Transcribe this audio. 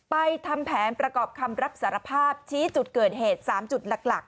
ทำแผนประกอบคำรับสารภาพชี้จุดเกิดเหตุ๓จุดหลัก